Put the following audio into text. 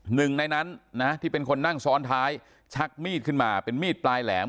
หนึ่งในนั้นนะที่เป็นคนนั่งซ้อนท้ายชักมีดขึ้นมาเป็นมีดปลายแหลม